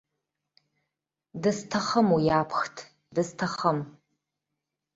Дысҭахым уи аԥхҭ, дысҭахым!